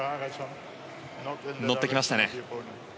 乗ってきましたね。